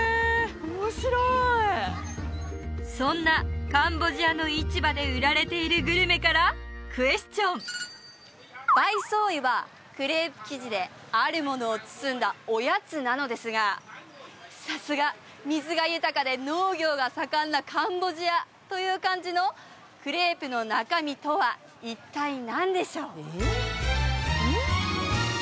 面白いそんなカンボジアの市場で売られているグルメからクエスチョンバイ・ソーイはクレープ生地であるものを包んだおやつなのですがさすが水が豊かで農業が盛んなカンボジアという感じのクレープの中身とは一体何でしょう？